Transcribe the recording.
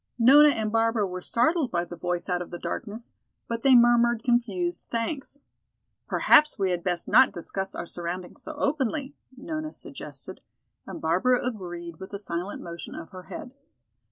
Nona and Barbara were startled by the voice out of the darkness, but they murmured confused thanks. "Perhaps we had best not discuss our surroundings so openly," Nona suggested, and Barbara agreed with a silent motion of her head.